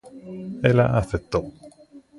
Ela aceptou.